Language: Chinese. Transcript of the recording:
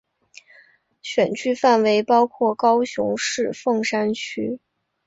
选区范围包括高雄市凤山区。